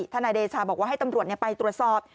นายเดชาบอกว่าให้ตำรวจไปตรวจสอบ